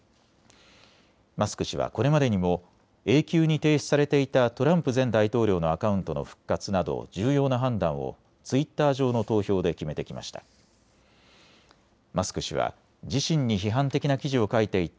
マスク氏はこれまでにも永久に停止されていたトランプ前大統領のアカウントの復活など重要な判断をツイッター上の投票で決めてきました。